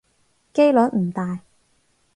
機率唔大